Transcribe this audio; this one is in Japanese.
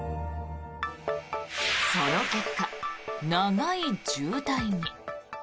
その結果、長い渋滞に。